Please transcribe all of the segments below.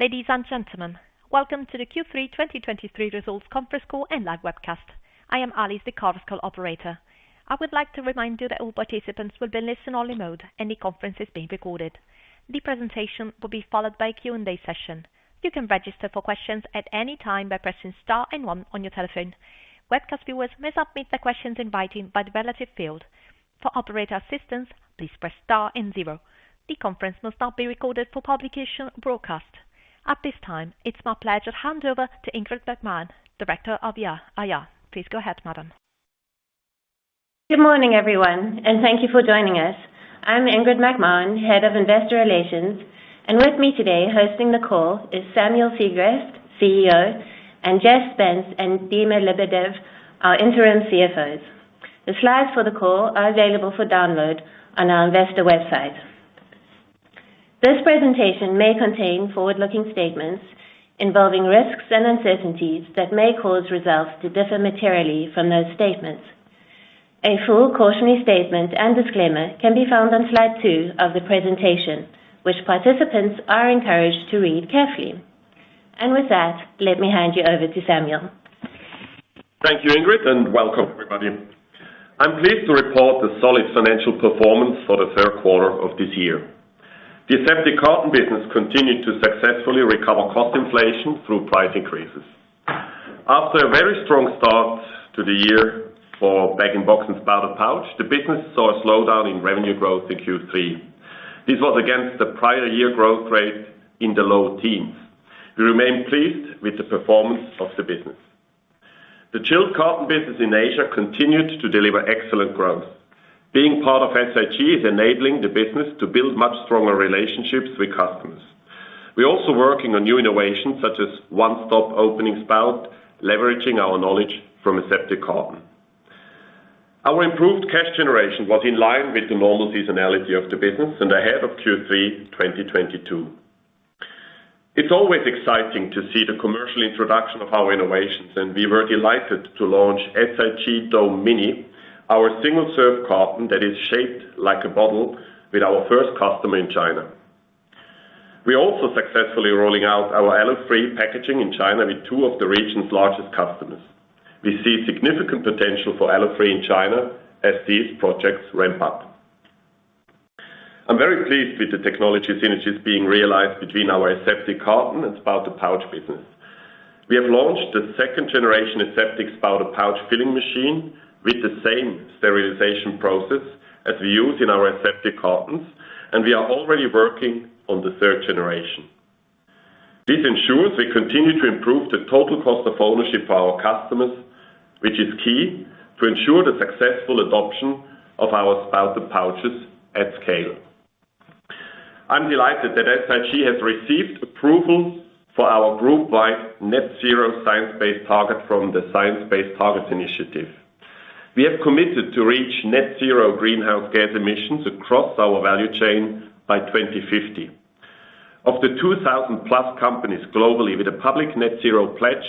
Ladies and gentlemen, welcome to the Q3 2023 Results Conference Call and Live Webcast. I am Alice, the conference call operator. I would like to remind you that all participants will be in listen-only mode, and the conference is being recorded. The presentation will be followed by a Q&A session. You can register for questions at any time by pressing star and one on your telephone. Webcast viewers may submit their questions in writing by the relevant field. For operator assistance, please press star and zero. The conference must not be recorded for publication or broadcast. At this time, it's my pleasure to hand over to Ingrid McMahon, Director of IR. Please go ahead, madam. Good morning, everyone, and thank you for joining us. I'm Ingrid McMahon, Head of Investor Relations, and with me today, hosting the call, is Samuel Sigrist, CEO, and Jessica Spence and Dmitry Lebedev, our interim CFOs. The slides for the call are available for download on our investor website. This presentation may contain forward-looking statements involving risks and uncertainties that may cause results to differ materially from those statements. A full cautionary statement and disclaimer can be found on slide two of the presentation, which participants are encouraged to read carefully. With that, let me hand you over to Samuel. Thank you, Ingrid, and welcome, everybody. I'm pleased to report a solid financial performance for the third quarter of this year. The Aseptic Carton business continued to successfully recover cost inflation through price increases. After a very strong start to the year for Bag-in-Box and Spouted Pouch, the business saw a slowdown in revenue growth in Q3. This was against the prior year growth rate in the low teens. We remain pleased with the performance of the business. The Chilled Carton business in Asia continued to deliver excellent growth. Being part of SIG is enabling the business to build much stronger relationships with customers. We're also working on new innovations, such as one-step opening spout, leveraging our knowledge from Aseptic Carton. Our improved cash generation was in line with the normal seasonality of the business and ahead of Q3 2022. It's always exciting to see the commercial introduction of our innovations, and we were delighted to launch SIG DomeMini, our single-serve carton that is shaped like a bottle, with our first customer in China. We are also successfully rolling out our Alu-free packaging in China with two of the region's largest customers. We see significant potential for Alu-free in China as these projects ramp up. I'm very pleased with the technology synergies being realized between our Aseptic Carton and Spouted Pouch business. We have launched the second generation Aseptic Spouted Pouch filling machine with the same sterilization process as we use in our Aseptic Cartons, and we are already working on the third generation. This ensures we continue to improve the total cost of ownership for our customers, which is key to ensure the successful adoption of our Spouted Pouches at scale. I'm delighted that SIG has received approval for our group-wide net zero Science Based Target from the Science Based Targets initiative. We have committed to reach net zero greenhouse gas emissions across our value chain by 2050. Of the 2,000+ companies globally with a public net zero pledge,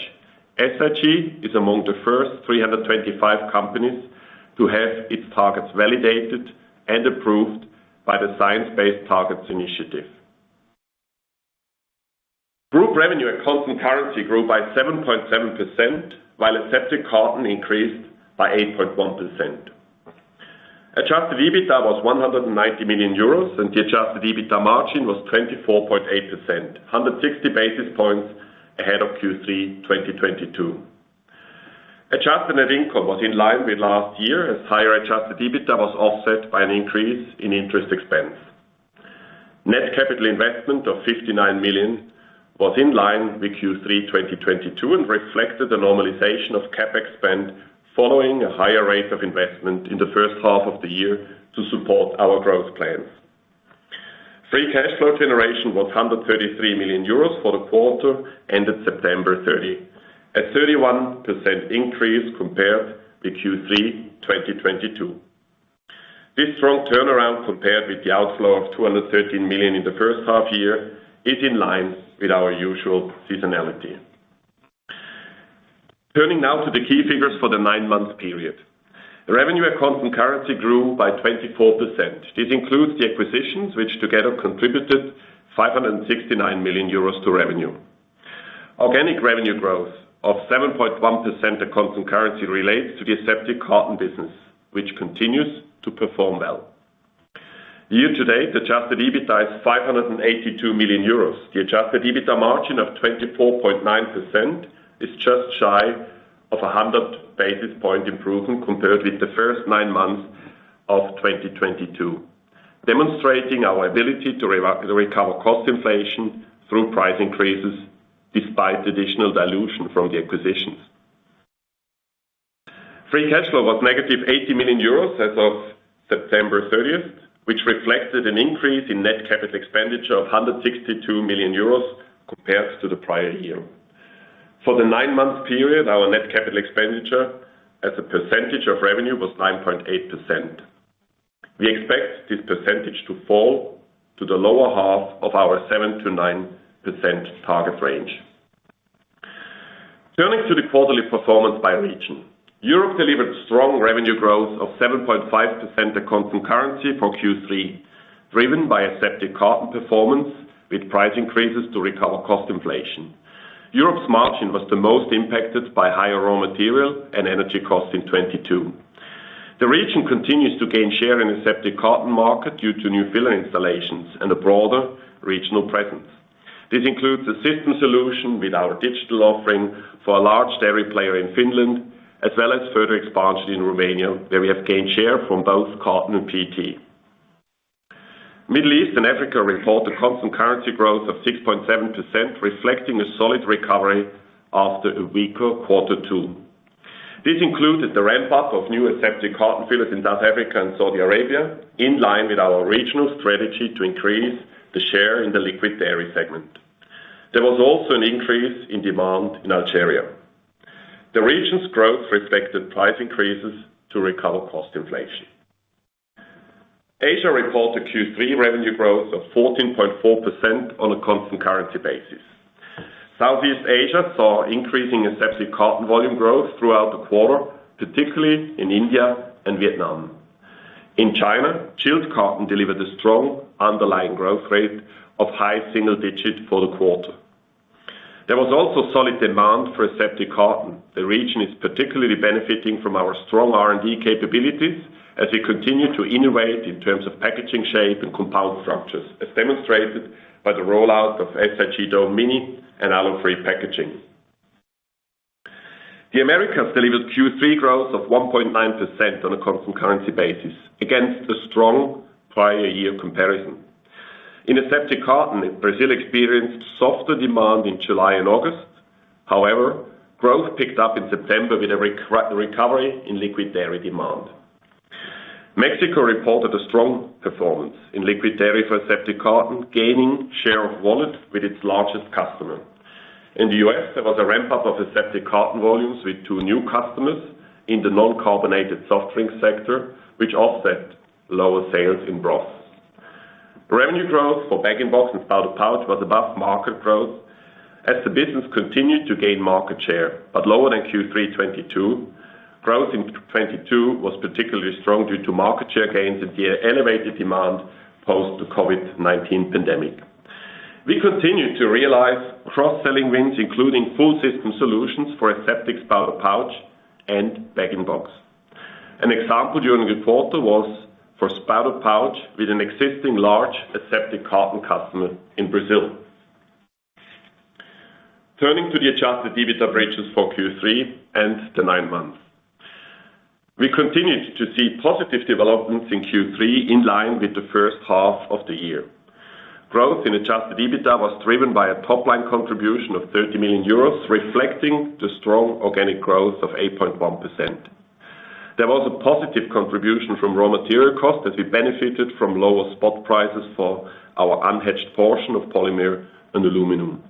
SIG is among the first 325 companies to have its targets validated and approved by the Science Based Targets initiative. Group revenue at constant currency grew by 7.7%, while Aseptic Carton increased by 8.1%. Adjusted EBITDA was 190 million euros, and the adjusted EBITDA margin was 24.8%, 160 basis points ahead of Q3 2022. Adjusted net income was in line with last year, as higher adjusted EBITDA was offset by an increase in interest expense. Net capital investment of 59 million was in line with Q3 2022 and reflected the normalization of CapEx spend, following a higher rate of investment in the first half of the year to support our growth plans. Free cash flow generation was 133 million euros for the quarter ended September 30, a 31% increase compared to Q3 2022. This strong turnaround, compared with the outflow of 213 million in the first half year, is in line with our usual seasonality. Turning now to the key figures for the nine-month period. Revenue at constant currency grew by 24%. This includes the acquisitions, which together contributed 569 million euros to revenue. Organic revenue growth of 7.1% at constant currency relates to the Aseptic Carton business, which continues to perform well. Year to date, adjusted EBITDA is 582 million euros. The adjusted EBITDA margin of 24.9% is just shy of 100 basis point improvement compared with the first nine months of 2022, demonstrating our ability to recover cost inflation through price increases despite additional dilution from the acquisitions. Free cash flow was negative 80 million euros as of September 30, which reflected an increase in net capital expenditure of 162 million euros compared to the prior year. For the nine-month period, our net capital expenditure as a percentage of revenue was 9.8%. We expect this percentage to fall to the lower half of our 7%-9% target range. Turning to the quarterly performance by region. Europe delivered strong revenue growth of 7.5% at constant currency for Q3, driven by Aseptic Carton performance with price increases to recover cost inflation. Europe's margin was the most impacted by higher raw material and energy costs in 2022. The region continues to gain share in Aseptic Carton market due to new filler installations and a broader regional presence. This includes a system solution with our digital offering for a large dairy player in Finland, as well as further expansion in Romania, where we have gained share from both carton and PET. Middle East and Africa report a constant currency growth of 6.7%, reflecting a solid recovery after a weaker quarter two. This included the ramp-up of new Aseptic Carton fillers in South Africa and Saudi Arabia, in line with our regional strategy to increase the share in the liquid dairy segment. There was also an increase in demand in Algeria. The region's growth reflected price increases to recover cost inflation. Asia reported Q3 revenue growth of 14.4% on a constant currency basis. Southeast Asia saw increasing Aseptic Carton volume growth throughout the quarter, particularly in India and Vietnam. In China, chilled carton delivered a strong underlying growth rate of high single digits for the quarter. There was also solid demand for Aseptic Carton. The region is particularly benefiting from our strong R&D capabilities as we continue to innovate in terms of packaging, shape, and compound structures, as demonstrated by the rollout of SIG DomeMini and Alu-free packaging. The Americas delivered Q3 growth of 1.9% on a constant currency basis, against a strong prior year comparison. In Aseptic Carton, Brazil experienced softer demand in July and August. However, growth picked up in September with a recovery in liquid dairy demand. Mexico reported a strong performance in liquid dairy for Aseptic Carton, gaining share of wallet with its largest customer. In the U.S., there was a ramp-up of Aseptic Carton volumes with two new customers in the non-carbonated soft drink sector, which offset lower sales in broth. Revenue growth for Bag-in-Box and Spouted Pouch was above market growth as the business continued to gain market share, but lower than Q3 2022. Growth in 2022 was particularly strong due to market share gains and the elevated demand post the COVID-19 pandemic. We continued to realize cross-selling wins, including full system solutions for Aseptic Spouted Pouch and Bag-in-Box. An example during the quarter was for Spouted Pouch with an existing large Aseptic Carton customer in Brazil. Turning to the Adjusted EBITDA bridges for Q3 and the nine months. We continued to see positive developments in Q3, in line with the first half of the year. Growth in adjusted EBITDA was driven by a top-line contribution of 30 million euros, reflecting the strong organic growth of 8.1%. There was a positive contribution from raw material costs, as we benefited from lower spot prices for our unhedged portion of polymer and aluminum.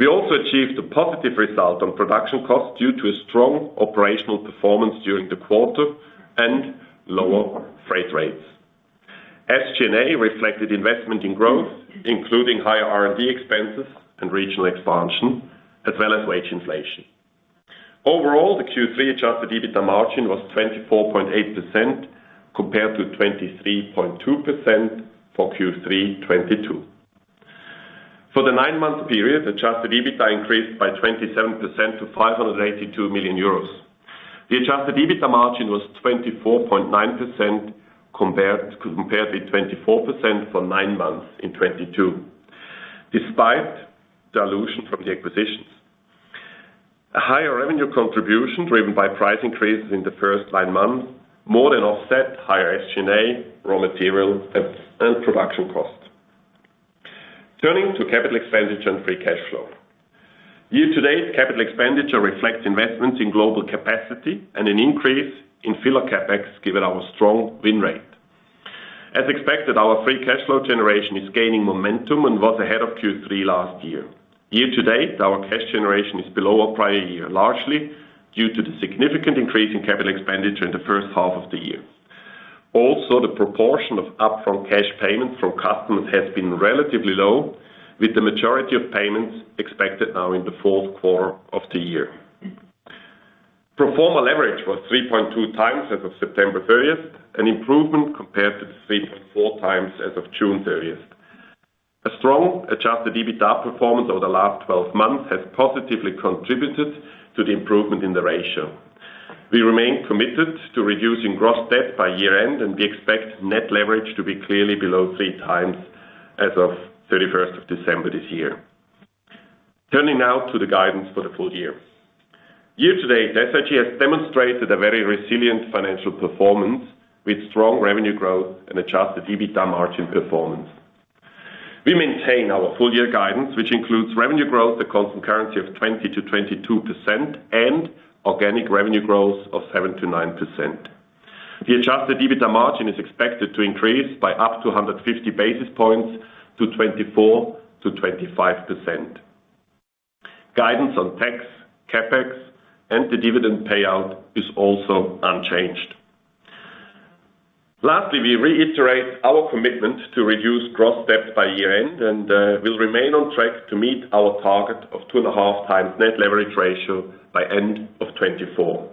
We also achieved a positive result on production costs due to a strong operational performance during the quarter and lower freight rates. SG&A reflected investment in growth, including higher R&D expenses and regional expansion, as well as wage inflation. Overall, the Q3 adjusted EBITDA margin was 24.8%, compared to 23.2% for Q3 2022. For the nine-month period, adjusted EBITDA increased by 27% to 582 million euros. The Adjusted EBITDA margin was 24.9% compared with 24% for nine months in 2022, despite dilution from the acquisitions. A higher revenue contribution, driven by price increases in the first nine months, more than offset higher SG&A, raw material, and production costs. Turning to capital expenditure and free cash flow. Year-to-date, capital expenditure reflects investments in global capacity and an increase in filler CapEx, given our strong win rate. As expected, our free cash flow generation is gaining momentum and was ahead of Q3 last year. Year-to-date, our cash generation is below our prior year, largely due to the significant increase in capital expenditure in the first half of the year. Also, the proportion of upfront cash payments from customers has been relatively low, with the majority of payments expected now in the fourth quarter of the year. Pro forma leverage was 3.2x as of September 30th, an improvement compared to 3.4x as of June 30th. A strong Adjusted EBITDA performance over the last 12 months has positively contributed to the improvement in the ratio. We remain committed to reducing gross debt by year-end, and we expect net leverage to be clearly below 3x as of 31st of December this year. Turning now to the guidance for the full year. Year to date, SIG has demonstrated a very resilient financial performance, with strong revenue growth and Adjusted EBITDA margin performance. We maintain our full year guidance, which includes revenue growth at constant currency of 20%-22% and organic revenue growth of 7%-9%. The Adjusted EBITDA margin is expected to increase by up to 150 basis points to 24%-25%. Guidance on tax, CapEx, and the dividend payout is also unchanged. Lastly, we reiterate our commitment to reduce gross debt by year-end, and we'll remain on track to meet our target of 2.5x net leverage ratio by end of 2024.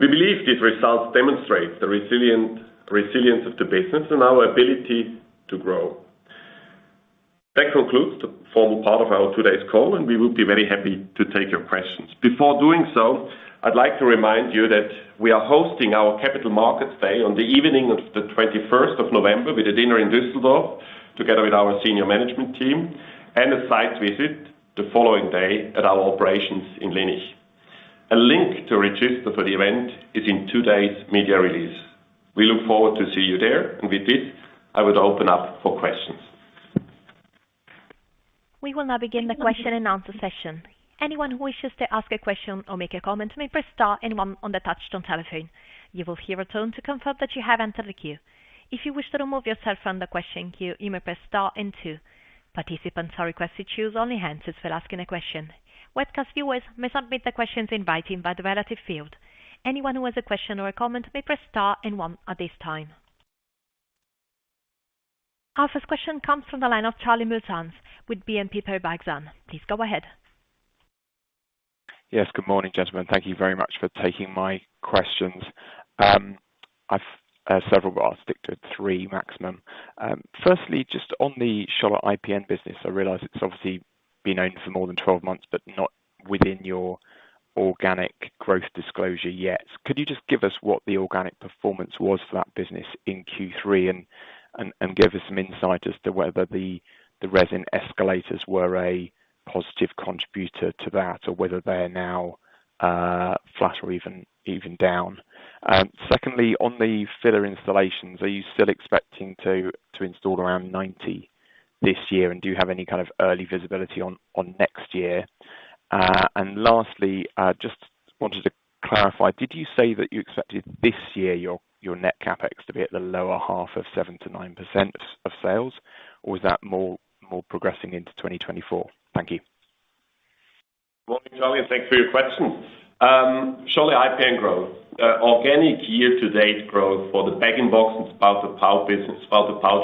We believe these results demonstrate the resilient, resilience of the business and our ability to grow. That concludes the formal part of our today's call, and we will be very happy to take your questions. Before doing so, I'd like to remind you that we are hosting our Capital Markets Day on the evening of the 21st of November, with a dinner in Düsseldorf, together with our senior management team and a site visit the following day at our operations in Linnich. A link to register for the event is in today's media release. We look forward to see you there, and with this, I would open up for questions. We will now begin the question and answer session. Anyone who wishes to ask a question or make a comment, may press star and one on the touch-tone telephone. You will hear a tone to confirm that you have entered the queue. If you wish to remove yourself from the question queue, you may press star and two. Participants are requested to use only handsets for asking a question. Webcast viewers may submit their questions in writing by the relevant field. Anyone who has a question or a comment may press star and one at this time. Our first question comes from the line of Charlie Muir-Sands with BNP Paribas Exane. Please go ahead. Yes, good morning, gentlemen. Thank you very much for taking my questions. I've several, but I'll stick to three maximum. Firstly, just on the Scholle IPN business, I realize it's obviously been open for more than 12 months, but not within your organic growth disclosure yet. Could you just give us what the organic performance was for that business in Q3, and give us some insight as to whether the resin escalators were a positive contributor to that, or whether they're now flat or even down? Secondly, on the filler installations, are you still expecting to install around 90 this year, and do you have any kind of early visibility on next year? Lastly, I just wanted to clarify: did you say that you expected this year, your net CapEx to be at the lower half of 7%-9% of sales, or is that more progressing into 2024? Thank you. Morning, Charlie, and thanks for your questions. Scholle IPN growth. Organic year-to-date growth for the Bag-in-Box and Spouted Pouch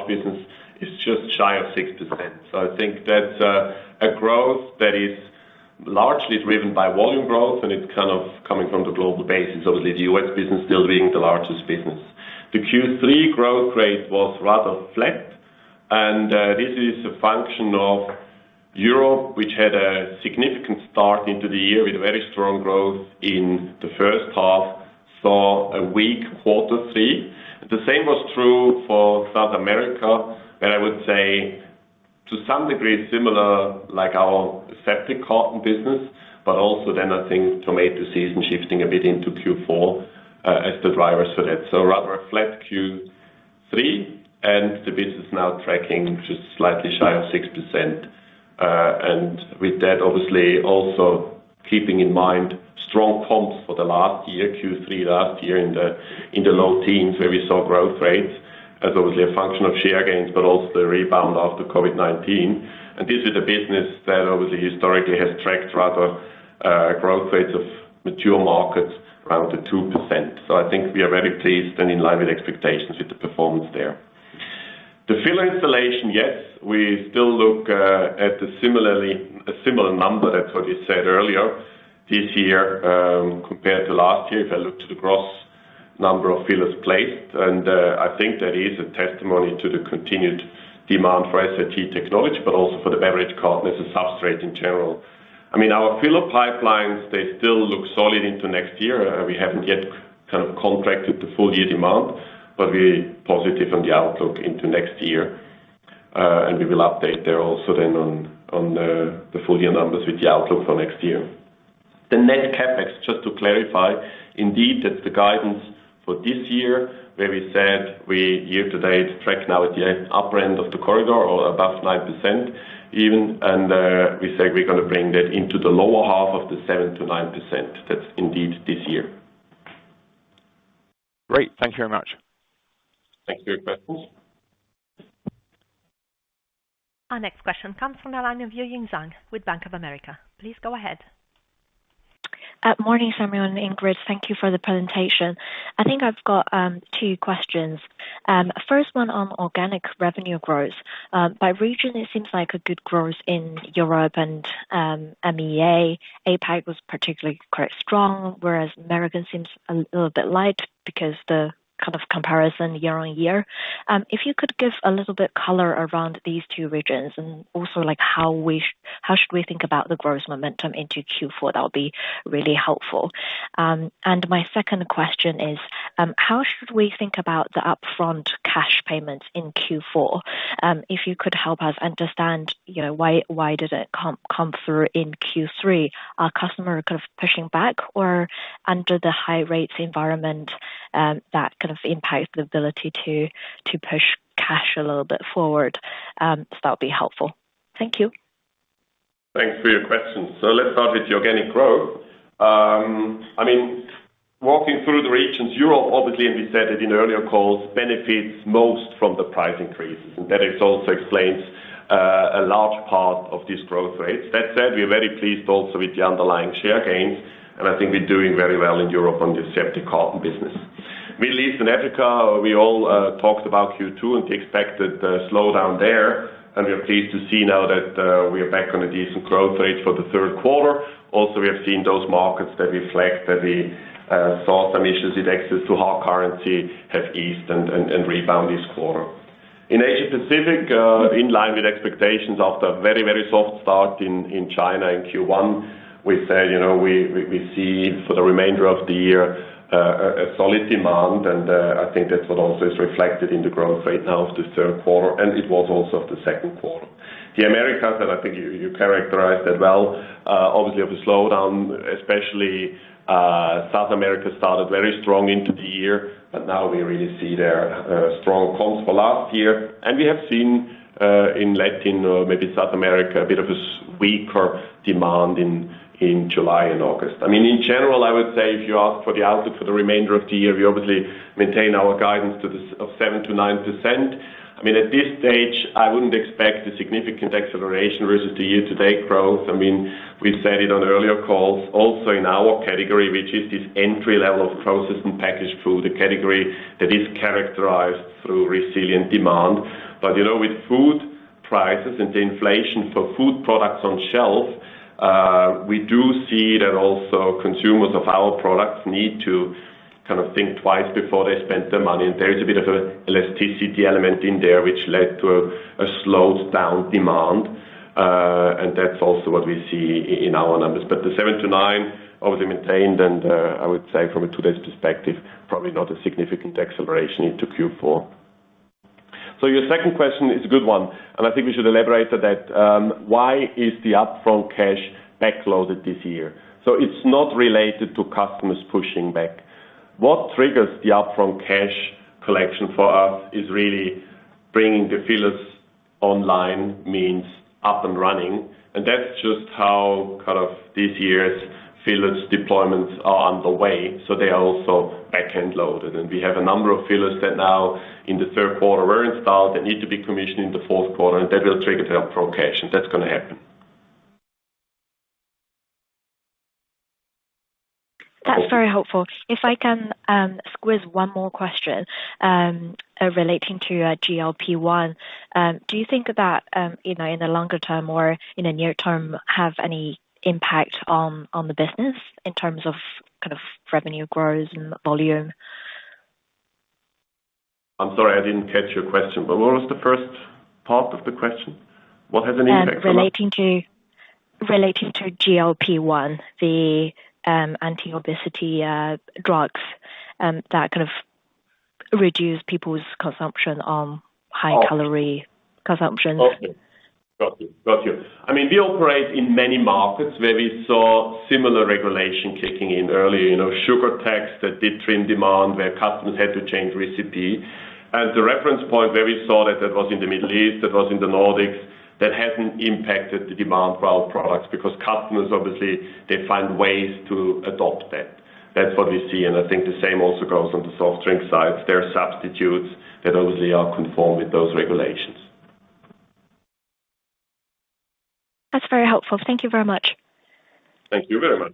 business is just shy of 6%. So I think that's a growth that is largely driven by volume growth, and it's kind of coming from the global basis, obviously, the U.S. business still being the largest business. The Q3 growth rate was rather flat, and this is a function of Europe, which had a significant start into the year with very strong growth in the first half, saw a weak quarter three. The same was true for South America, and I would say to some degree, similar, like our Aseptic Carton business, but also then I think tomato season shifting a bit into Q4 as the drivers for that. So rather a flat Q3, and the business is now tracking just slightly shy of 6%. And with that, obviously, also keeping in mind strong comps for the last year, Q3 last year in the, in the low teens, where we saw growth rates as obviously a function of share gains, but also the rebound after COVID-19. And this is a business that obviously historically has tracked rather, growth rates of mature markets around the 2%. So I think we are very pleased and in line with expectations with the performance there. The filler installation, yes, we still look, at the similarly, a similar number as what you said earlier. This year, compared to last year, if I look to the gross number of fillers placed, and, I think that is a testimony to the continued demand for SAT technology, but also for the beverage carton as a substrate in general. I mean, our filler pipelines, they still look solid into next year. We haven't yet kind of contracted the full year demand, but we're positive on the outlook into next year. And we will update there also then on, on, the full year numbers with the outlook for next year. The net CapEx, just to clarify, indeed, that's the guidance for this year, where we said we year-to-date track now at the upper end of the corridor or above 9% even, and, we say we're going to bring that into the lower half of the 7%-9%. That's indeed this year. Great. Thank you very much. Thank you for your questions. Our next question comes from the line of Yujing Zhang with Bank of America. Please go ahead. Morning, everyone, and Ingrid, thank you for the presentation. I think I've got two questions. First one on organic revenue growth. By region, it seems like a good growth in Europe and MEA. APAC was particularly quite strong, whereas Americas seems a little bit light because the kind of comparison year-over-year. If you could give a little bit color around these two regions and also like how should we think about the growth momentum into Q4, that would be really helpful. And my second question is: How should we think about the upfront cash payments in Q4? If you could help us understand, you know, why did it come through in Q3? Are customer kind of pushing back or under the high rates environment, that kind of impacts the ability to, to push cash a little bit forward? So that would be helpful. Thank you. Thanks for your questions. So let's start with the organic growth. I mean, walking through the regions, Europe, obviously, and we said it in earlier calls, benefits most from the price increases, and that also explains a large part of this growth rate. That said, we are very pleased also with the underlying share gains, and I think we're doing very well in Europe on the Aseptic Carton business. Middle East and Africa, we all talked about Q2 and the expected slowdown there, and we are pleased to see now that we are back on a decent growth rate for the third quarter. Also, we have seen those markets that reflect that we saw some issues with access to hard currency have eased and rebound this quarter. In Asia Pacific, in line with expectations after a very, very soft start in China in Q1, we said, you know, we see for the remainder of the year a solid demand, and I think that's what also is reflected in the growth rate now of the third quarter, and it was also of the second quarter. The Americas, and I think you characterized that well, obviously, have a slowdown, especially South America started very strong into the year, but now we really see their strong comps for last year. And we have seen in Latin, or maybe South America, a bit of a weaker demand in July and August. I mean, in general, I would say if you ask for the outlook for the remainder of the year, we obviously maintain our guidance to this of 7%-9%. I mean, at this stage, I wouldn't expect a significant acceleration versus the year-to-date growth. I mean, we said it on earlier calls, also in our category, which is this entry-level of processed and packaged food, a category that is characterized through resilient demand. But, you know, with food prices and the inflation for food products on shelf, we do see that also consumers of our products need to kind of think twice before they spend their money. And there is a bit of a elasticity element in there, which led to a slowed down demand, and that's also what we see in our numbers. But the 7-9, obviously, maintained, and I would say from a today's perspective, probably not a significant acceleration into Q4. So your second question is a good one, and I think we should elaborate on that. Why is the upfront cash backloaded this year? So it's not related to customers pushing back. What triggers the upfront cash collection for us is really bringing the fillers online, means up and running, and that's just how kind of this year's fillers deployments are on the way, so they are also backend loaded. And we have a number of fillers that now in the third quarter were installed, that need to be commissioned in the fourth quarter, and that will trigger the upfront cash. That's gonna happen. That's very helpful. If I can squeeze one more question relating to GLP-1. Do you think that, you know, in the longer term or in the near term, have any impact on, on the business in terms of kind of revenue growth and volume? I'm sorry, I didn't catch your question. What was the first part of the question? What has an impact on us? Relating to, relating to GLP-1, the anti-obesity drugs that kind of reduce people's consumption on high calorie. Oh. Consumption. Got you. Got you. I mean, we operate in many markets where we saw similar regulation kicking in early. You know, sugar tax that did trim demand, where customers had to change recipe. As a reference point, where we saw that, that was in the Middle East, that was in the Nordics. That hasn't impacted the demand for our products because customers, obviously, they find ways to adopt that. That's what we see, and I think the same also goes on the soft drink side. There are substitutes that obviously are conformed with those regulations. That's very helpful. Thank you very much. Thank you very much.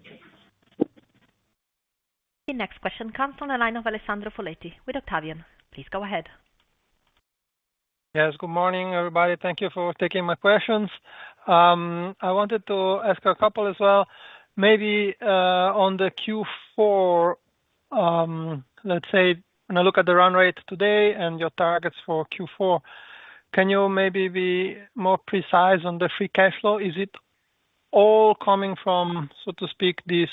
The next question comes from the line of Alessandro Foletti with Octavian. Please go ahead. Yes, good morning, everybody. Thank you for taking my questions. I wanted to ask a couple as well. Maybe, on the Q4, let's say, when I look at the run rate today and your targets for Q4, can you maybe be more precise on the free cash flow? Is it all coming from, so to speak, this,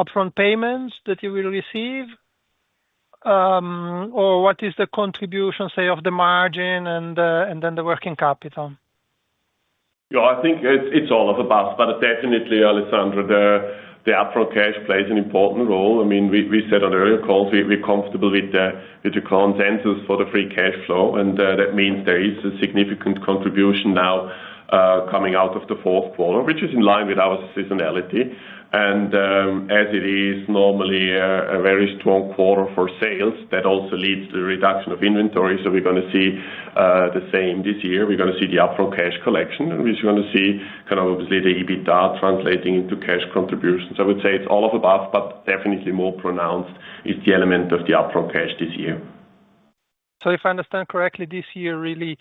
upfront payments that you will receive? Or what is the contribution, say, of the margin and, and then the working capital? Yeah, I think it's, it's all of the above, but definitely, Alessandro, the, the upfront cash plays an important role. I mean, we, we said on earlier calls, we, we're comfortable with the, with the consensus for the free cash flow, and, that means there is a significant contribution now, coming out of the fourth quarter, which is in line with our seasonality. And, as it is normally a, a very strong quarter for sales, that also leads to a reduction of inventory. So we're gonna see, the same this year. We're gonna see the upfront cash collection, and we're gonna see kind of, obviously, the EBITDA translating into cash contributions. I would say it's all of the above, but definitely more pronounced is the element of the upfront cash this year. So if I understand correctly, this year, really,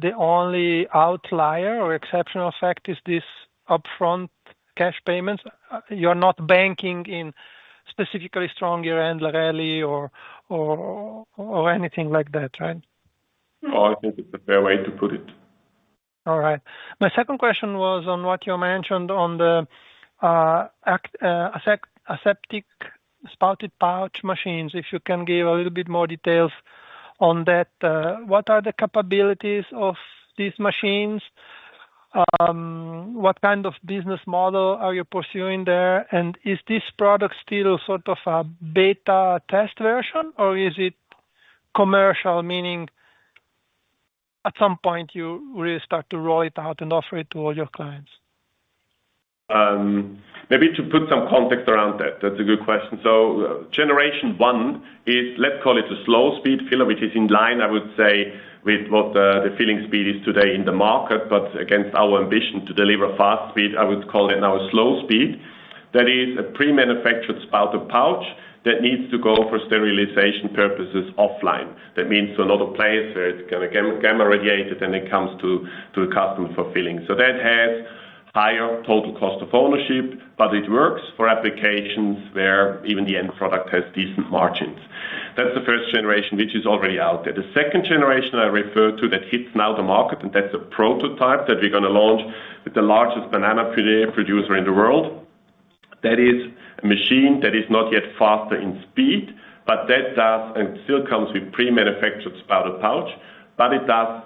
the only outlier or exceptional fact is this upfront cash payments. You're not banking in specifically stronger end rally or, or, or anything like that, right? No, I think it's a fair way to put it. All right. My second question was on what you mentioned on the Aseptic Spouted Pouch machines. If you can give a little bit more details on that. What are the capabilities of these machines? What kind of business model are you pursuing there? And is this product still sort of a beta test version, or is it commercial, meaning at some point you really start to roll it out and offer it to all your clients? Maybe to put some context around that, that's a good question. So generation one is, let's call it a slow speed filler, which is in line, I would say, with what the filling speed is today in the market, but against our ambition to deliver fast speed, I would call it now a slow speed. That is a pre-manufactured Spouted Pouch that needs to go for sterilization purposes offline. That means to another place where it's gonna get gamma radiated, and it comes to a customer for filling. So that has higher total cost of ownership, but it works for applications where even the end product has decent margins. That's the first generation, which is already out there. The second generation I referred to, that hits now the market, and that's a prototype that we're gonna launch with the largest banana producer in the world. That is a machine that is not yet faster in speed, but that does and still comes with pre-manufactured Spouted Pouch, but it does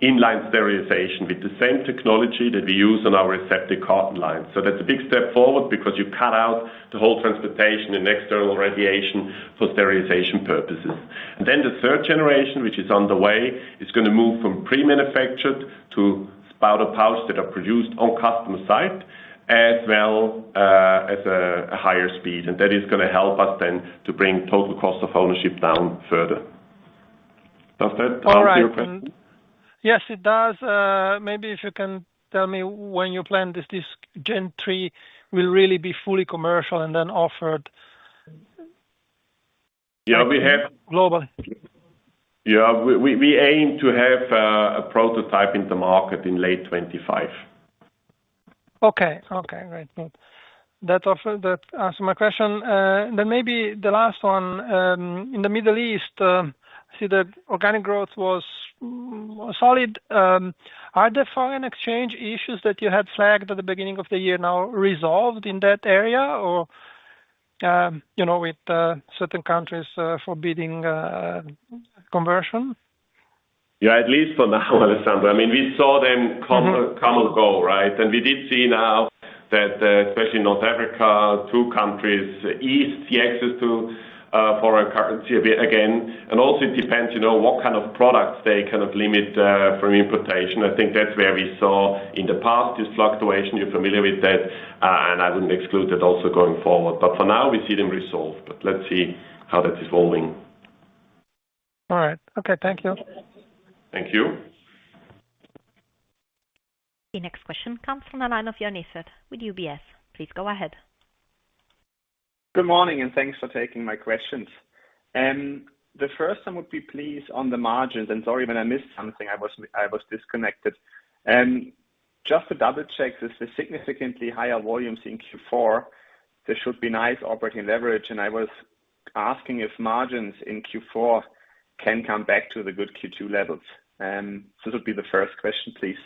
in-line sterilization with the same technology that we use on our Aseptic Carton line. So that's a big step forward because you cut out the whole transportation and external radiation for sterilization purposes. Then the third generation, which is on the way, is gonna move from pre-manufactured to Spouted Pouch that are produced on customer site, as well as a higher speed. And that is gonna help us then to bring total cost of ownership down further. Does that answer your question? All right. Yes, it does. Maybe if you can tell me when you plan this, this Gen 3 will really be fully commercial and then offered. Yeah, we have. Global. Yeah, we, we aim to have a prototype in the market in late 2025. Okay. Okay, great. That answer, that answered my question. Then maybe the last one, in the Middle East, I see that organic growth was solid. Are there foreign exchange issues that you had flagged at the beginning of the year now resolved in that area, or, you know, with certain countries forbidding conversion? Yeah, at least for now, Alessandro. I mean, we saw them. Mm-hmm Come and go, right? And we did see now that, especially North Africa, two countries, they have access to, foreign currency a bit again. And also it depends, you know, what kind of products they kind of limit from importation. I think that's where we saw in the past, this fluctuation. You're familiar with that, and I wouldn't exclude that also going forward. But for now, we see them resolved. But let's see how that is evolving. All right. Okay, thank you. Thank you. The next question comes from the line of Joern Iffert with UBS. Please go ahead. Good morning, and thanks for taking my questions. The first time would be please, on the margins, and sorry, when I missed something, I was disconnected. Just to double-check, this is significantly higher volumes in Q4. This should be nice operating leverage, and I was asking if margins in Q4 can come back to the good Q2 levels? This will be the first question, please.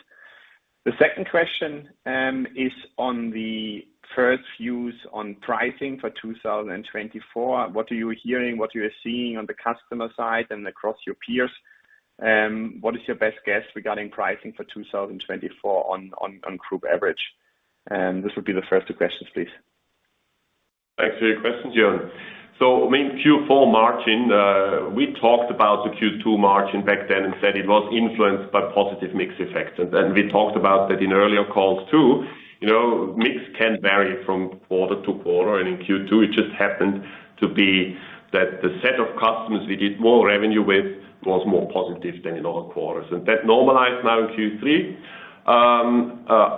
The second question is on the first views on pricing for 2024. What are you hearing, what you are seeing on the customer side and across your peers? What is your best guess regarding pricing for 2024 on group average? And this would be the first two questions, please. Thanks for your questions, Joern. So I mean, Q4 margin, we talked about the Q2 margin back then and said it was influenced by positive mix effects. And we talked about that in earlier calls, too. You know, mix can vary from quarter to quarter, and in Q2, it just happened to be that the set of customers we did more revenue with was more positive than in other quarters, and that normalized now in Q3.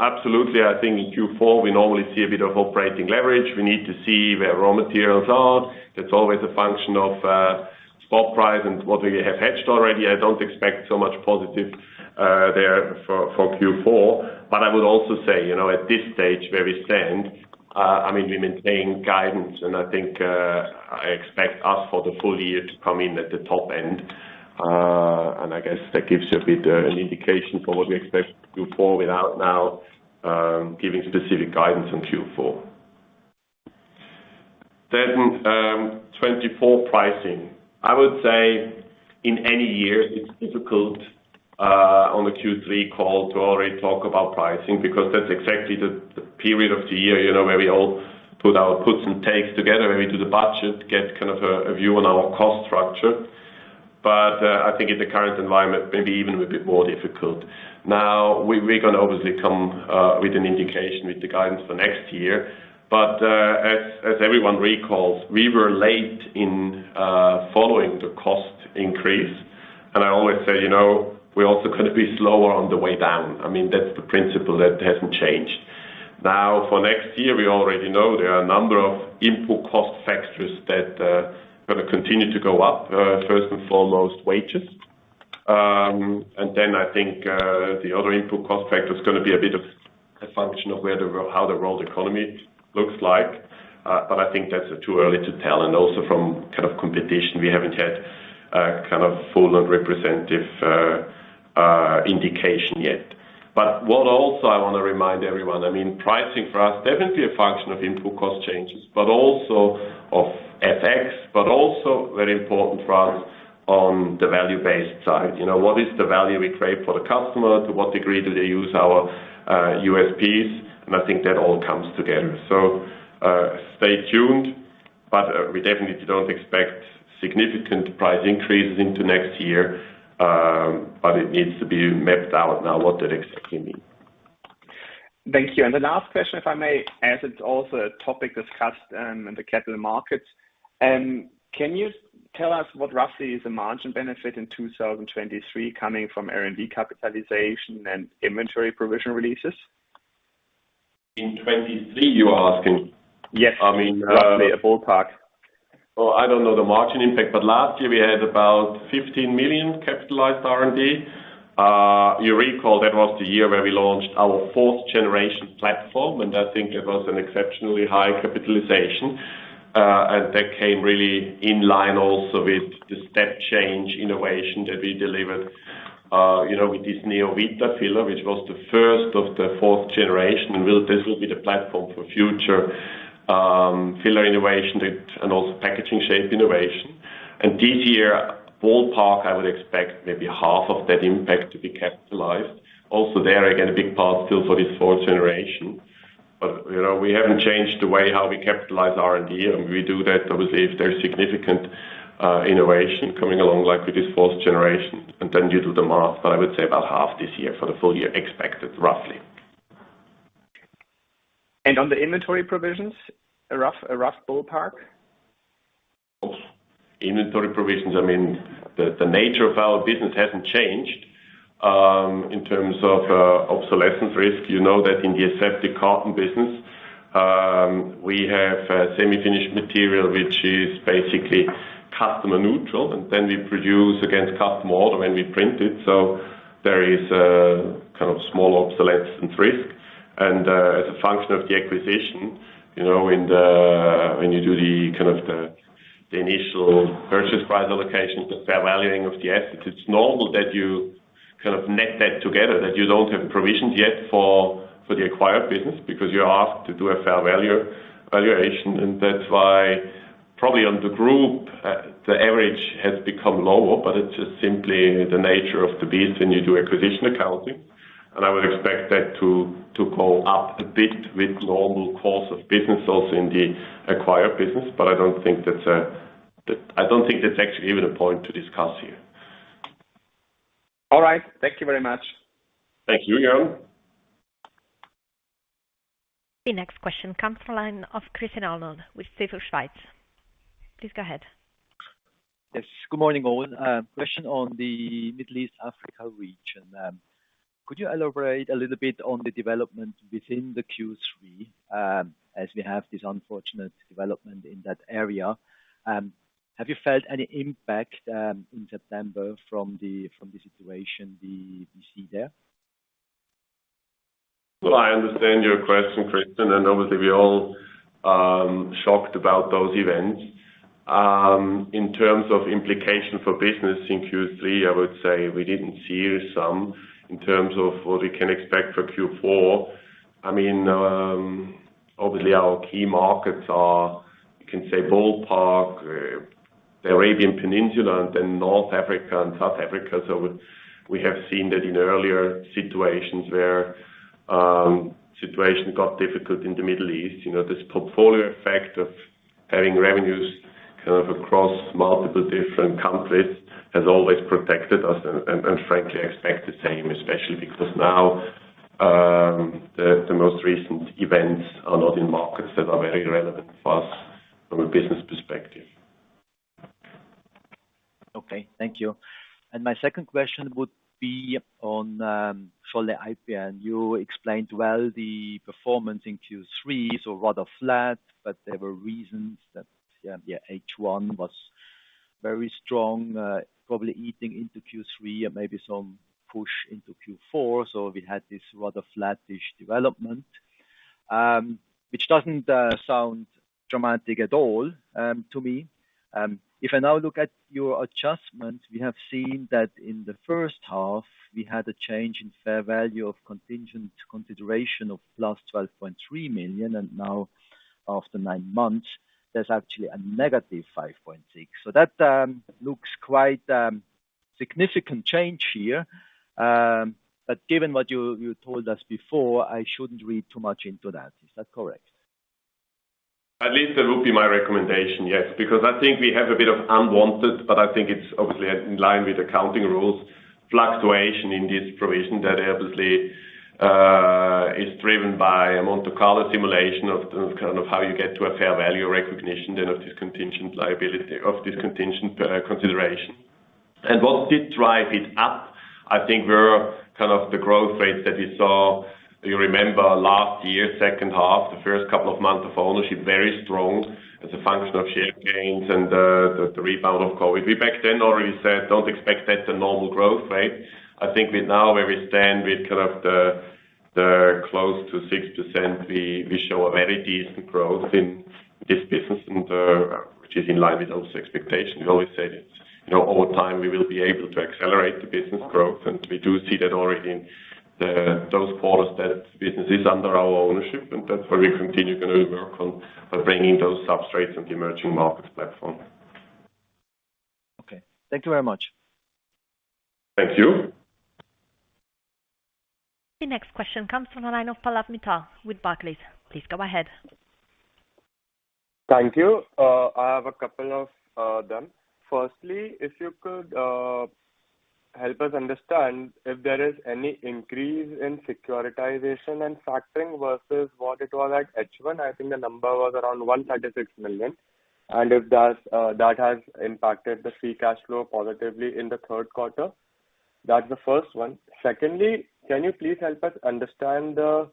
Absolutely, I think in Q4, we normally see a bit of operating leverage. We need to see where raw materials are. That's always a function of spot price and what we have hedged already. I don't expect so much positive there for Q4. But I would also say, you know, at this stage, where we stand, I mean, we maintain guidance, and I think, I expect us for the full year to come in at the top end. And I guess that gives you a bit, an indication for what we expect Q4 without now, giving specific guidance on Q4. Then, 2024 pricing. I would say in any year, it's difficult, on the Q3 call to already talk about pricing, because that's exactly the period of the year, you know, where we all put our puts and takes together, and we do the budget, get kind of a view on our cost structure. But, I think in the current environment, maybe even a bit more difficult. Now, we're gonna obviously come with an indication with the guidance for next year, but as everyone recalls, we were late in following the cost increase. And I always say, you know, we also gonna be slower on the way down. I mean, that's the principle that hasn't changed. Now, for next year, we already know there are a number of input cost factors that gonna continue to go up, first and foremost, wages. And then I think the other input cost factor is gonna be a bit of a function of how the world economy looks like. But I think that's too early to tell, and also from kind of competition, we haven't had a kind of full and representative indication yet. But what also I want to remind everyone, I mean, pricing for us, definitely a function of input cost changes, but also of FX, but also very important for us on the value-based side. You know, what is the value we create for the customer? To what degree do they use our, USPs? And I think that all comes together. So, stay tuned. But, we definitely don't expect significant price increases into next year. But it needs to be mapped out now, what that exactly mean. Thank you. And the last question, if I may, as it's also a topic discussed in the capital markets. Can you tell us what roughly is the margin benefit in 2023 coming from R&D capitalization and inventory provision releases? In 2023, you are asking? Yes. I mean. Roughly, a ballpark. Well, I don't know the margin impact, but last year we had about 15 million capitalized R&D. You recall, that was the year where we launched our fourth generation platform, and I think it was an exceptionally high capitalization. And that came really in line also with the step change innovation that we delivered, you know, with this new vita filler, which was the first of the fourth generation. This will be the platform for future filler innovation and also packaging shape innovation. And this year, ballpark, I would expect maybe half of that impact to be capitalized. Also there, again, a big part still for this fourth generation. But, you know, we haven't changed the way how we capitalize R&D, and we do that, obviously, if there's significant innovation coming along, like with this fourth generation, and then you do the math. I would say about half this year for the full year expected, roughly. On the inventory provisions, a rough ballpark? Inventory provisions, I mean, the nature of our business hasn't changed. In terms of obsolescence risk, you know that in the Aseptic Carton business, we have a semi-finished material which is basically customer neutral, and then we produce against customer order when we print it. So there is a kind of small obsolescence risk. And as a function of the acquisition, you know, when you do the kind of initial purchase price allocation, the fair valuing of the assets, it's normal that you kind of net that together, that you don't have provisions yet for the acquired business, because you're asked to do a fair value valuation. And that's why probably on the group, the average has become lower, but it's just simply the nature of the beast when you do acquisition accounting. I would expect that to go up a bit with normal course of business, also in the acquired business. I don't think that's actually even a point to discuss here. All right. Thank you very much. Thank you, Jan. The next question comes from the line of Christian Arnold, with ODDO BHF. Please go ahead. Yes, good morning, all. Question on the Middle East, Africa region. Could you elaborate a little bit on the development within the Q3, as we have this unfortunate development in that area? Have you felt any impact in September from the situation we see there? Well, I understand your question, Christian, and obviously we all, shocked about those events. In terms of implication for business in Q3, I would say we didn't see some. In terms of what we can expect for Q4, I mean, obviously our key markets are, you can say, ballpark, the Arabian Peninsula and then North Africa and South Africa. So we, we have seen that in earlier situations where, situations got difficult in the Middle East. You know, this portfolio effect of having revenues kind of across multiple different countries has always protected us, and, and frankly, I expect the same, especially because now, the, the most recent events are not in markets that are very relevant for us from a business perspective. Okay, thank you. And my second question would be on, for the IPN. You explained well the performance in Q3, so rather flat, but there were reasons that, H1 was very strong, probably eating into Q3 and maybe some push into Q4. So we had this rather flattish development, which doesn't sound dramatic at all, to me. If I now look at your adjustment, we have seen that in the first half, we had a change in fair value of contingent consideration of +12.3 million, and now, after nine months, there's actually a -5.6 million. So that looks quite, significant change here. But given what you told us before, I shouldn't read too much into that. Is that correct? At least that would be my recommendation, yes, because I think we have a bit of unwanted, but I think it's obviously in line with accounting rules, fluctuation in this provision that obviously is driven by a Monte Carlo simulation of kind of how you get to a fair value recognition, then of this contingent liability, of this contingent consideration. And what did drive it up, I think were kind of the growth rates that you saw. You remember last year, second half, the first couple of months of ownership, very strong as a function of share gains and the rebound of COVID. We back then already said, don't expect that's a normal growth rate. I think with now where we stand with kind of the close to 6%, we show a very decent growth in this business and which is in line with those expectations. We always said, you know, over time, we will be able to accelerate the business growth, and we do see that already in those quarters that business is under our ownership, and that's where we continue to work on bringing those substrates on the emerging markets platform. Okay. Thank you very much. Thank you. The next question comes from the line of Pallav Mittal with Barclays. Please go ahead. Thank you. I have a couple of them. Firstly, if you could help us understand if there is any increase in securitization and factoring versus what it was at H1, I think the number was around 136 million, and if that has impacted the free cash flow positively in the third quarter. That's the first one. Secondly, can you please help us understand the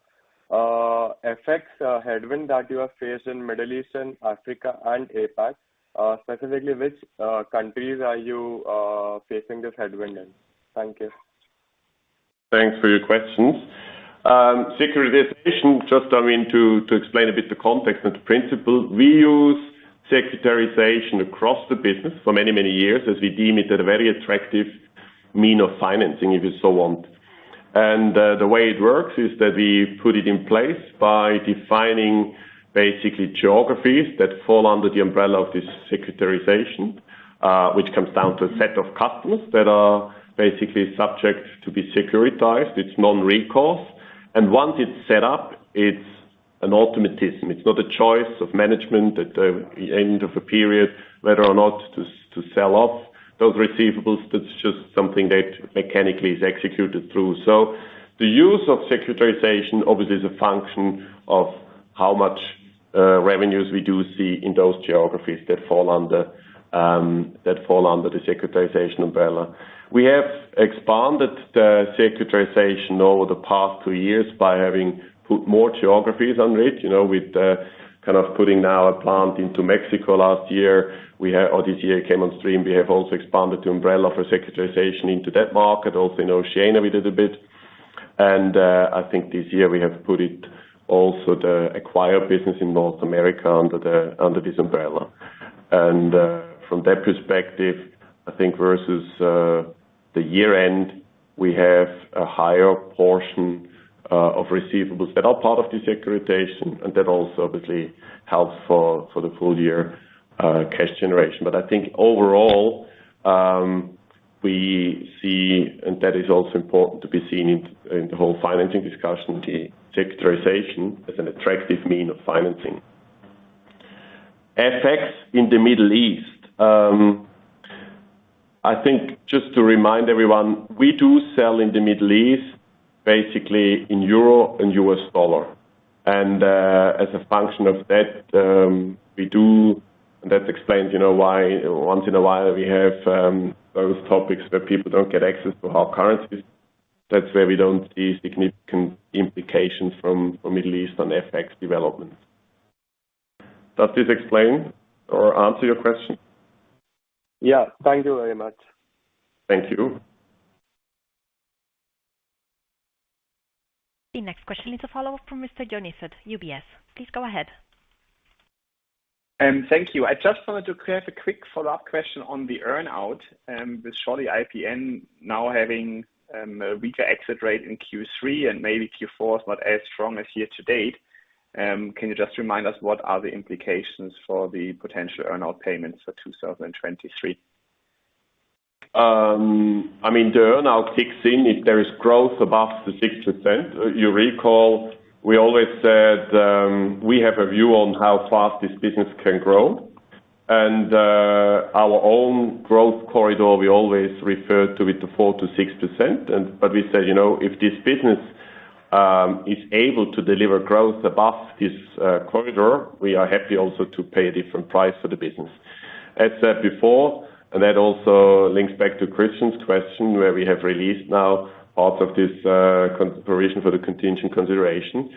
effects, headwind that you have faced in Middle East and Africa and APAC? Specifically, which countries are you facing this headwind in? Thank you. Thanks for your questions. Securitization, just, I mean, to, to explain a bit the context and the principle, we use securitization across the business for many, many years, as we deem it a very attractive means of financing, if you so want. And, the way it works is that we put it in place by defining basically geographies that fall under the umbrella of this securitization, which comes down to a set of customers that are basically subject to be securitized. It's non-recourse, and once it's set up, it's an automatism. It's not a choice of management at the, the end of a period, whether or not to, to sell off those receivables. That's just something that mechanically is executed through. So the use of securitization obviously is a function of how much revenues we do see in those geographies that fall under that fall under the securitization umbrella. We have expanded the securitization over the past two years by having put more geographies on it, you know, with kind of putting now a plant into Mexico last year. We have, or this year came on stream. We have also expanded the umbrella for securitization into that market. Also in Oceania, we did a bit. And I think this year we have put it also the acquired business in North America under the under this umbrella. And from that perspective, I think versus the year-end, we have a higher portion of receivables that are part of the securitization, and that also obviously helps for for the full year cash generation. But I think overall, we see, and that is also important to be seen in the whole financing discussion, the securitization as an attractive means of financing. FX in the Middle East, I think just to remind everyone, we do sell in the Middle East, basically in euro and US dollar. And as a function of that, that explains, you know, why once in a while we have those topics where people don't get access to our currencies. That's where we don't see significant implications from Middle East on FX development. Does this explain or answer your question? Yeah. Thank you very much. Thank you. The next question is a follow-up from Mr. Joern at UBS. Please go ahead. Thank you. I just wanted to have a quick follow-up question on the earn-out. With Scholle IPN now having a weaker exit rate in Q3 and maybe Q4 is not as strong as year to date, can you just remind us what are the implications for the potential earn-out payments for 2023? I mean, the earn-out kicks in if there is growth above the 6%. You recall, we always said, we have a view on how fast this business can grow, and, our own growth corridor, we always refer to it, the 4%-6%. And, but we said, you know, if this business, is able to deliver growth above this, corridor, we are happy also to pay a different price for the business. As said before, and that also links back to Christian's question, where we have released now part of this, consideration for the contingent consideration.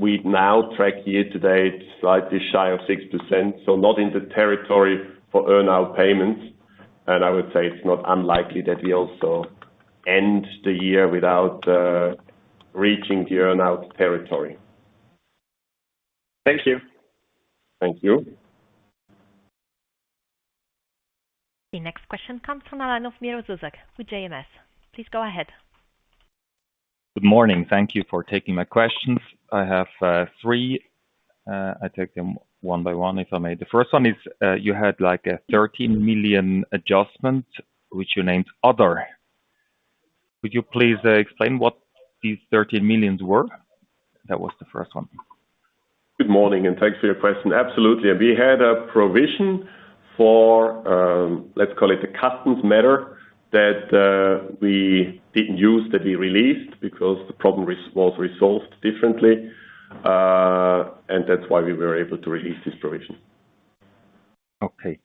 We now track year to date, slightly shy of 6%, so not in the territory for earn-out payments. And I would say it's not unlikely that we also end the year without, reaching the earn-out territory. Thank you. Thank you. The next question comes from the line of Miro Zuzak with JMS. Please go ahead. Good morning. Thank you for taking my questions. I have three. I take them one by one, if I may. The first one is, you had like a 13 million adjustment, which you named other. Would you please explain what these 13 millions were? That was the first one. Good morning, and thanks for your question. Absolutely. We had a provision for, let's call it a customs matter, that we didn't use, that we released, because the problem was resolved differently, and that's why we were able to release this provision. Okay.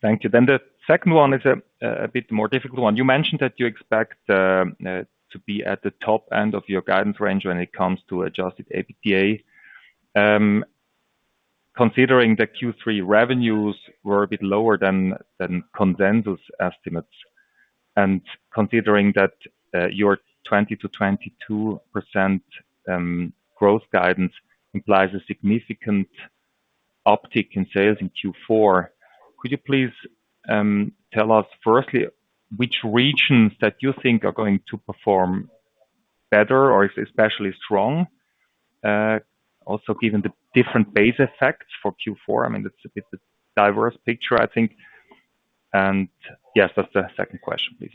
Thank you. Then the second one is a bit more difficult one. You mentioned that you expect to be at the top end of your guidance range when it comes to adjusted EBITDA. Considering the Q3 revenues were a bit lower than consensus estimates, and considering that your 20%-22% growth guidance implies a significant uptick in sales in Q4, could you please tell us, firstly, which regions that you think are going to perform better or is especially strong? Also, given the different base effects for Q4, I mean, it's a diverse picture, I think, and yes, that's the second question, please.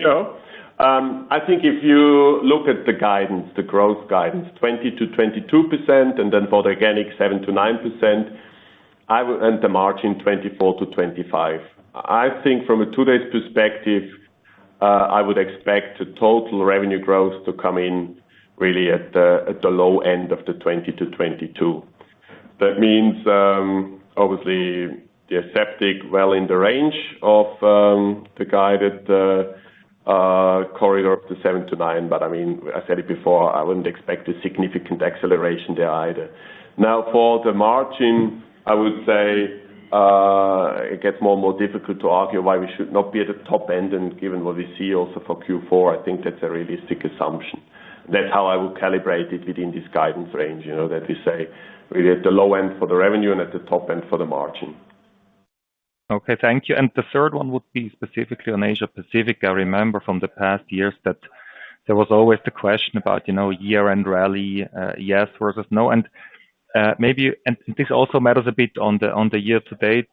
Sure. I think if you look at the guidance, the growth guidance, 20%-22%, and then for the organic, 7%-9%, I will end the margin 24%-25%. I think from a two days perspective, I would expect the total revenue growth to come in really at the, at the low end of the 20%-22%. That means, obviously, the aseptic well in the range of, the guided, corridor of the 7%-9%. But, I mean, I said it before, I wouldn't expect a significant acceleration there either. Now, for the margin, I would say, it gets more and more difficult to argue why we should not be at the top end, and given what we see also for Q4, I think that's a realistic assumption. That's how I would calibrate it within this guidance range, you know, that we say really at the low end for the revenue and at the top end for the margin. Okay, thank you. The third one would be specifically on Asia Pacific. I remember from the past years that there was always the question about, you know, year-end rally, yes versus no. And maybe this also matters a bit on the year to date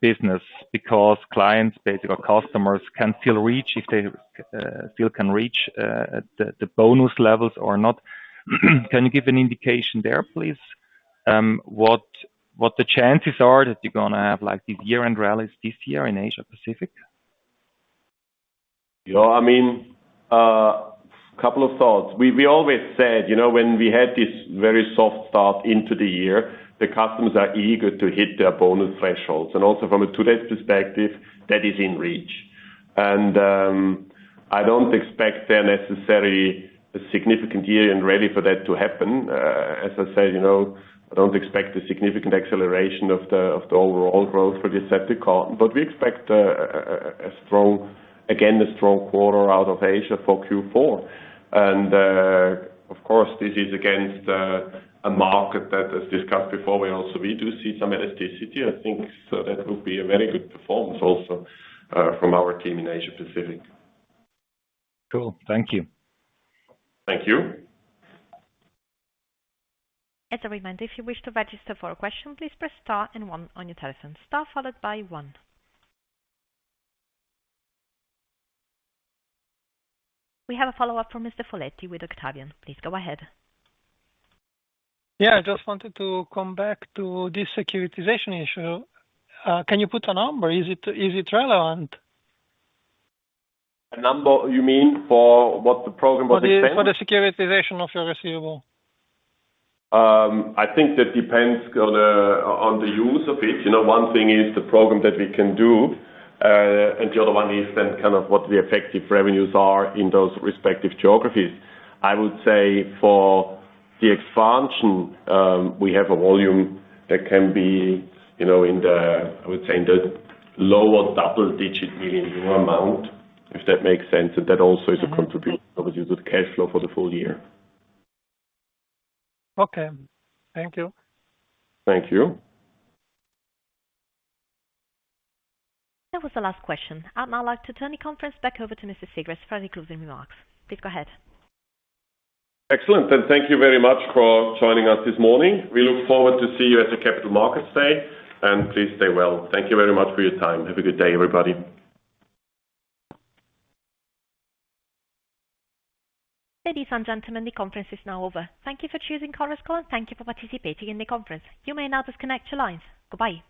business, because clients, basically, or customers can still reach if they still can reach at the bonus levels or not. Can you give an indication there, please? What the chances are that you're gonna have, like, these year-end rallies this year in Asia Pacific? You know, I mean, couple of thoughts. We always said, you know, when we had this very soft start into the year, the customers are eager to hit their bonus thresholds, and also from a today's perspective, that is in reach. And, I don't expect there necessarily a significant year-end rally for that to happen. As I said, you know, I don't expect a significant acceleration of the overall growth for the Aseptic Carton, but we expect a strong, again, a strong quarter out of Asia for Q4. And, of course, this is against a market that is discussed before. We also do see some elasticity, I think, so that would be a very good performance also from our team in Asia Pacific. Cool. Thank you. Thank you. As a reminder, if you wish to register for a question, please press star and one on your telephone. Star followed by one. We have a follow-up from Mr. Foletti with Octavian. Please go ahead. Yeah, I just wanted to come back to this securitization issue. Can you put a number? Is it relevant? A number, you mean for what the program was? For the securitization of your receivable. I think that depends on the, on the use of it. You know, one thing is the program that we can do, and the other one is then kind of what the effective revenues are in those respective geographies. I would say for the expansion, we have a volume that can be, you know, in the, I would say, in the lower double-digit million EUR amount, if that makes sense. And that also is a contribution that would use the cash flow for the full year. Okay. Thank you. Thank you. That was the last question. I'd now like to turn the conference back over to Mr. Sigrist for any closing remarks. Please go ahead. Excellent. Thank you very much for joining us this morning. We look forward to see you at the Capital Markets Day, and please stay well. Thank you very much for your time. Have a good day, everybody. Ladies and gentlemen, the conference is now over. Thank you for choosing Chorus Call, and thank you for participating in the conference. You may now disconnect your lines. Goodbye.